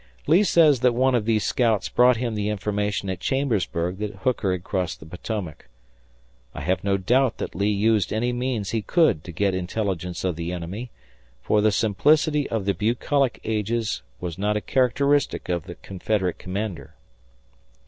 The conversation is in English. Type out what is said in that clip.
Lee says that one of these scouts brought him the information at Chambersburg that Hooker had crossed the Potomac. I have no doubt that Lee used any means he could to get intelligence of the enemy, for the simplicity of the bucolic ages was not a characteristic of the Confederate commander.